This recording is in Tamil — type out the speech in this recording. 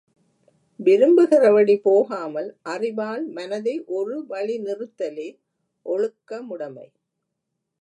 விரும்புகிறபடி போகாமல் அறிவால் மனதை ஒரு வழி நிறுத்தலே ஒழுக்கமுடைமை.